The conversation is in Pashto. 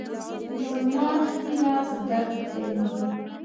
زما ښي لاس درد کوي